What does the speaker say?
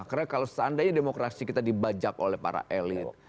karena kalau seandainya demokrasi kita dibajak oleh para elit